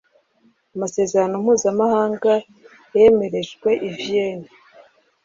amasezerano mpuzamahanga yemerejwe i vienna